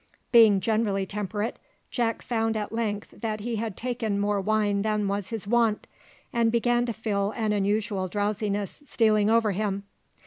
Being generally temperate, Jack found at length that he had taken more wine than was his wont, and began to feel an unusual drowsiness stealing over him.